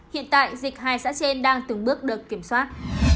hiện tại dịch hai xã trên đang từng bước được kiểm soát